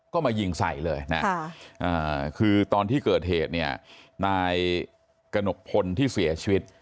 ก็มายิงใส่เลยนะคือตอนที่เกิดเหตุเนี่ยนายกระหนกพลที่เสียชีวิต